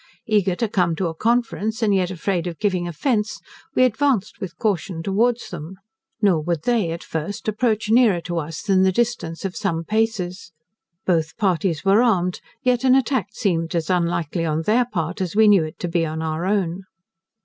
Eager to come to a conference, and yet afraid of giving offence, we advanced with caution towards them, nor would they, at first approach nearer to us than the distance of some paces. Both parties were armed; yet an attack seemed as unlikely on their part, as we knew it to be on our own.